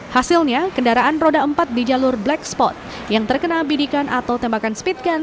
hasilnya kendaraan roda empat di jalur black spot yang terkena bidikan atau tembakan speed gun